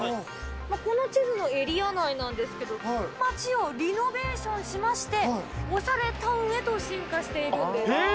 この地図のエリア内なんですけれども、この街をリノベーションしまして、おしゃれタウンへと進化しているへぇ？